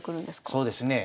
そうですねえ。